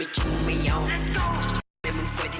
คือแม่ก็บอกว่า